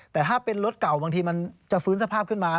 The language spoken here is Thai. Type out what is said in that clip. แต่ถ้าเป็นรถเก่าบางทีมันจะฟื้นสภาพขึ้นมา